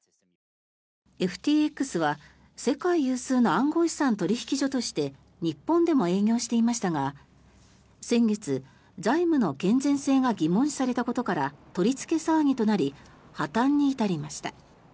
ＦＴＸは世界有数の暗号資産取引所として日本でも営業していましたが先月、財務の健全性が疑問視されたことから取り付け騒ぎとなり破たんに至りました。